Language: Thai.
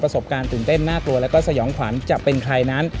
สบการณ์ตื่นเต้นน่ากลัวแล้วก็สยองขวัญจะเป็นใครนั้น